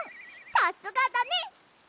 さすがだね。